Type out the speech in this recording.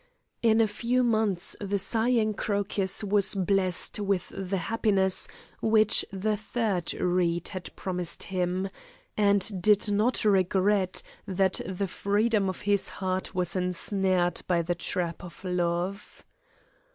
In a few months the sighing Crocus was blessed with the happiness which the third reed had promised him, and did not regret that the freedom of his heart was ensnared by the trap of love.